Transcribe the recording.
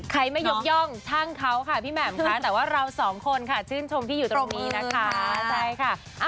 ใครไม่ยกย่องช่างเขาค่ะพี่แหม่มค่ะแต่ว่าเราสองคนค่ะชื่นชมที่อยู่ตรงนี้นะคะใช่ค่ะ